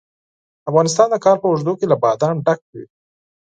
افغانستان د کال په اوږدو کې له بادام ډک وي.